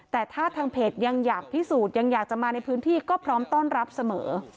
แต่ถ้าทางเพจยังอยากพิสูจน์ยังอยากจะมาในพื้นที่ก็พร้อมต้อนรับเสมอ